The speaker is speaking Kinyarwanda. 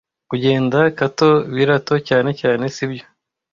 Kugenda kato biraato cyane cyane, sibyo?